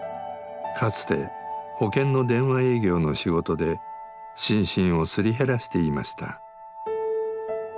かつて保険の電話営業の仕事で心身をすり減らしていました。